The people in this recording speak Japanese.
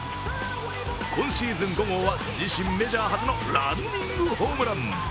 今シーズン５号は自身メジャー初のランニングホームラン。